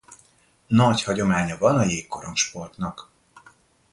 Nagy hagyománya van a jégkorong-sportnak.